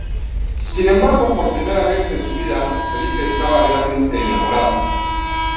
Sin embargo, por primera vez en su vida, Felipe estaba realmente enamorado.